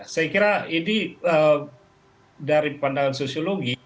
saya kira ini dari pandangan sosiologi